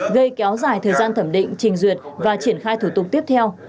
gây kéo dài thời gian thẩm định trình duyệt và triển khai thủ tục tiếp theo